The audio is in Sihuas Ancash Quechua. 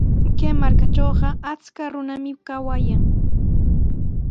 Kay markatrawqa achkaq runami kawayan.